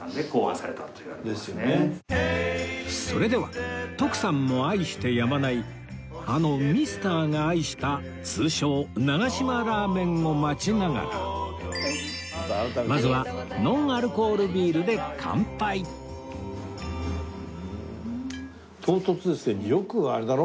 それでは徳さんも愛してやまないあのミスターが愛した通称長嶋ラーメンを待ちながらまずは唐突ですけどよくあれだろ？